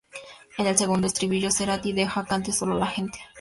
En el segundo estribillo, Cerati deja que cante sólo la gente.